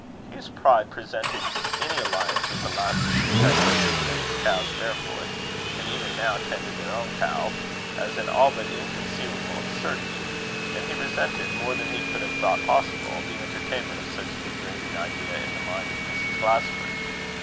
Hugh's pride presented any alliance with a lassie who had herded the laird's cows barefoot, and even now tended their own cow, as an all but inconceivable absurdity; and he resented, more than he could have thought possible, the entertainment of such a degrading idea in the mind of Mrs. Glasford.